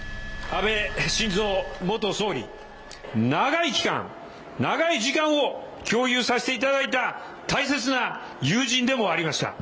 安倍晋三元総理、長い期間、長い時間を共有させていただいた大切な友人でもありました。